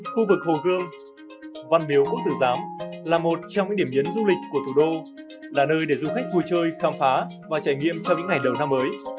khu vực hồ gươm văn miếu quốc tử giám là một trong những điểm nhấn du lịch của thủ đô là nơi để du khách vui chơi khám phá và trải nghiệm cho những ngày đầu năm mới